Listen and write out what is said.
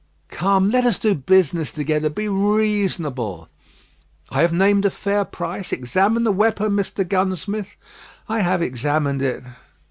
"Come, let us do business together. Be reasonable." "I have named a fair price. Examine the weapon, Mr. Gunsmith." "I have examined it."